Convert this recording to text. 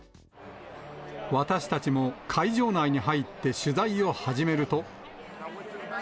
私たちも会場内に入って取材を始めると。